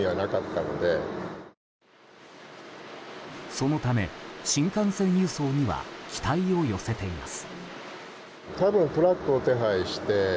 そのため、新幹線輸送には期待を寄せています。